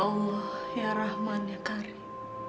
allah ya rahman ya karim